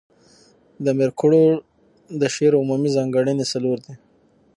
د امیر کروړ د شعر عمومي ځانګړني څلور دي.